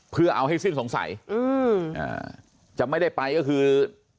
เพื่อเอาให้สิ้นสงสัยอืมอ่าจะไม่ได้ไปก็คือ